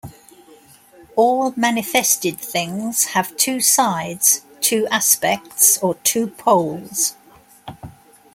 All manifested things have two sides, two aspects, or two poles.